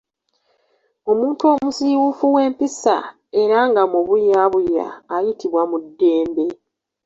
Omuntu omusiiwuufu w’empisa era nga mubuyabuya ayitibwa Mudembe.